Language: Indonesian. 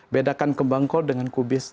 bedakan kembang kau dengan kubis